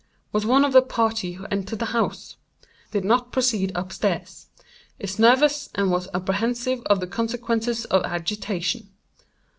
Was one of the party who entered the house. Did not proceed up stairs. Is nervous, and was apprehensive of the consequences of agitation.